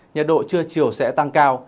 nhiệt độ chưa chiều sẽ tăng cao